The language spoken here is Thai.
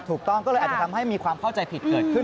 ถูกต้องก็เลยอาจจะทำให้มีความเข้าใจผิดเกิดขึ้น